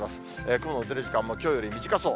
雲の出る時間もきょうより短そう。